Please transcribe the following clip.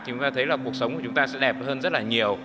thì chúng ta thấy là cuộc sống của chúng ta sẽ đẹp hơn rất là nhiều